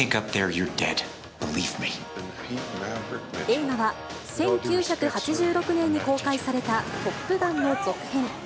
映画は１９８６年に公開されたトップガンの続編。